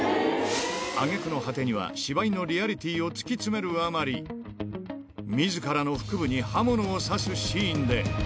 あげくの果てには、芝居のリアリティーを突き詰めるあまり、みずからの腹部に刃物を刺すシーンで。